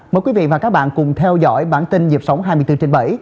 mời quý vị và các bạn cùng theo dõi bản tin nhịp sống hai mươi bốn trên bảy